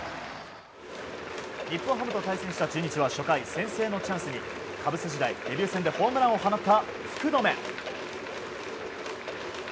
日本ハムと対戦した中日は初回先制のチャンスにカブス時代デビュー戦でホームランを放った福留。